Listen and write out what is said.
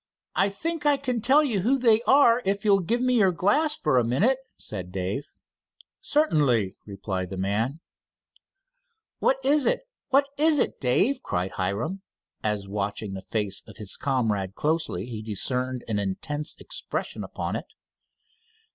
"I think I can tell you who they are if you'll give me your glass for a minute," said Dave. "Certainly," replied the man. "What is it, Dave?" cried Hiram, as, watching the face of his comrade closely, he discerned an intense expression upon it.